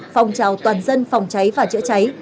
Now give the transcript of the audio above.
phòng trào toàn dân phòng cháy và chữa cháy